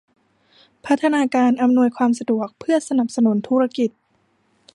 พัฒนาการอำนวยความสะดวกเพื่อสนับสนุนธุรกิจ